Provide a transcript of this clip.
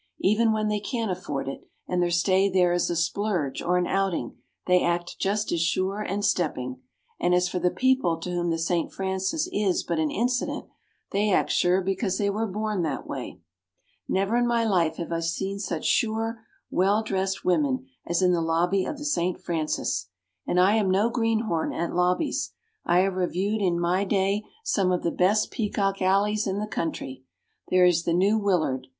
Even when they can't afford it, and their stay there is a splurge or an outing, they act just as sure and stepping. And as for the people to whom the St. Francis is but an incident they act sure because they were born that way. Never in my life have I seen such sure, well dressed women as in the lobby of the St. Francis. And I am no greenhorn at lobbies. I have reviewed in my day some of the best peacock alleys in the country. There is the New Willard.